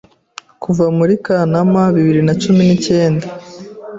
kuva muri Kanama bibiri na cumi nicyenda